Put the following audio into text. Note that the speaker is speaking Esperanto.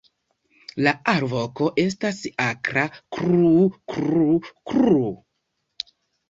La alvoko estas akra "kluu-kluu-kluu".